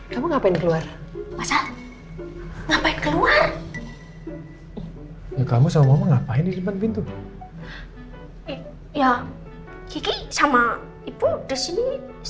kamu ngapain keluar ngapain keluar kamu sama ngapain di depan pintu ya sama ibu disini